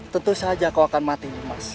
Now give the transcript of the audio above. tentu saja kau akan mati